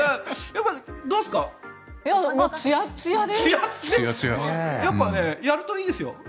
やっぱりやるといいですよ。